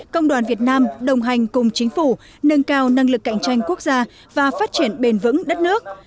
công đoàn việt nam đồng hành cùng chính phủ nâng cao năng lực cạnh tranh quốc gia và phát triển bền vững đất nước